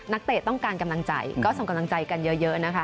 เตะต้องการกำลังใจก็ส่งกำลังใจกันเยอะนะคะ